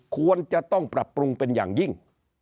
ควรจะต้องปรับปรุงเป็นอย่างยิ่ง